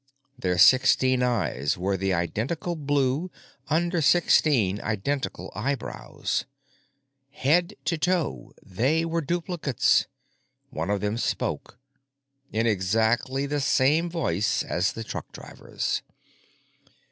Their sixteen eyes were the identical blue under sixteen identical eyebrows. Head to toe, they were duplicates. One of them spoke—in exactly the same voice as the truckdriver's.